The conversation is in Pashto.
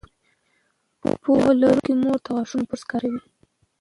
پوهه لرونکې مور د غاښونو برش کاروي.